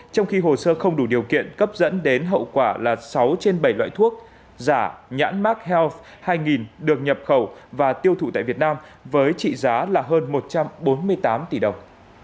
trong khi hồ sơ không đủ điều kiện cấp dẫn đến hậu quả là sáu trên bảy loại thuốc giả nhãn mát hell hai nghìn được nhập khẩu và tiêu thụ tại việt nam với trị giá là hơn một trăm bốn mươi tám tỷ đồng